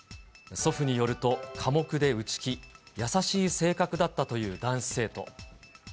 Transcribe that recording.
祖父によると、寡黙で内気、優しい性格だったという男子生徒。